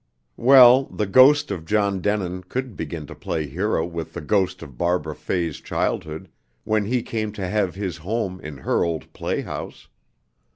Well, the ghost of John Denin could begin to play hero with the ghost of Barbara Fay's childhood, when he came to have his home in her old playhouse.